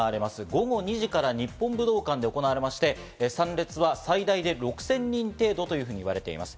午後２時から日本武道館で行われて、参列者は最大６０００人程度と言われています。